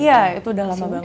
iya itu dalam banget